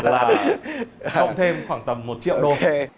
là không thêm khoảng tầm một triệu đô